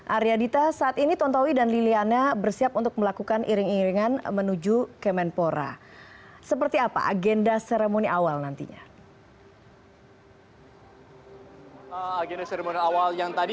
arya dita saat ini tontowi dan liliana bersiap untuk melakukan iring iringan menuju kemenpora